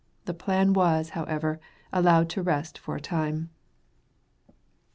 The plan was, however, allowed to rest for a time.